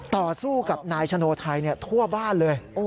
ต่อสู้กับนายชโนไทยทั่วบ้านเลย